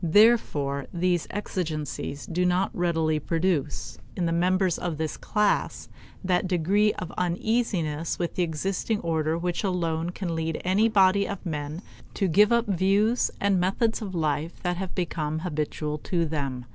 Therefore these exigencies do not readily produce, in the members of this class, that degree of uneasiness with the existing order which alone can lead any body of men to give up views and methods of life that have become habitual to them.